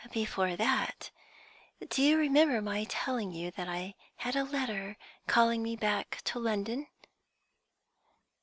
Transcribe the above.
"Before that. Do you remember my telling you that I had a letter calling me back to London?"